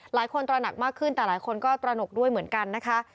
ตระหนักมากขึ้นแต่หลายคนก็ตระหนกด้วยเหมือนกันนะคะ